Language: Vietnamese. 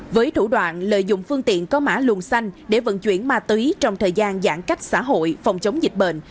với thủ đoạn lợi dụng phương tiện có mã luồng xanh để vận chuyển ma túy trong thời gian giãn cách xã hội phòng chống dịch bệnh